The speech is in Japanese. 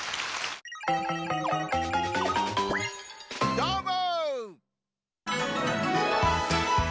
どーも！